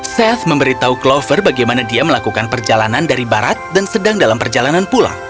safe memberitahu clover bagaimana dia melakukan perjalanan dari barat dan sedang dalam perjalanan pulang